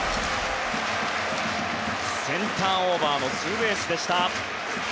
センターオーバーのツーベース。